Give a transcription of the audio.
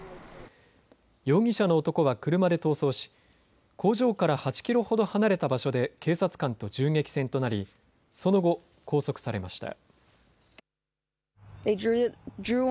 容疑者の男は車で逃走し工場から８キロほど離れた場所で警察官と銃撃戦となりその後、拘束されました。